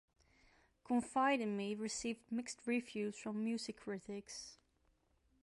"Confide In Me" received mixed reviews from music critics.